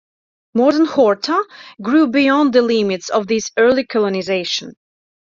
Modern Horta grew beyond the limits of this early colonization.